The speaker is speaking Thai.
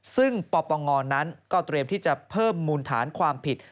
ซึ่งปปงนั้นก็เตรียมที่จะเพิ่มมูลฐานความผิด